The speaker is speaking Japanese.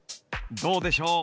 どうでしょう？